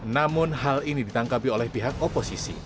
namun hal ini ditangkapi oleh pihak oposisi